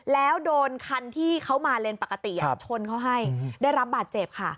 แล้วโดนคันที่เขามาเลนปกติชนเขาให้ได้รับบาดเจ็บค่ะ